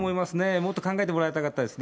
もっと考えてもらいたかったです